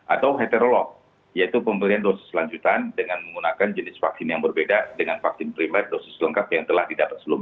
atau heterolog yaitu pembelian dosis lanjutan dengan menggunakan jenis vaksin yang berbeda dengan vaksin primer dosis lengkap yang telah didapat sebelumnya